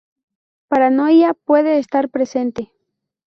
Paranoia puede estar presente.